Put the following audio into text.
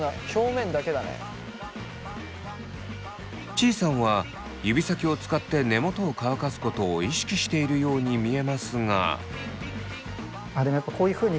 ちーさんは指先を使って根元を乾かすことを意識しているように見えますが。